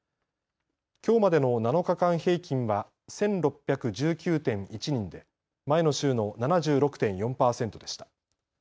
きょうまでの７日間平均は１６１９．１人で前の週の７６．４％でした。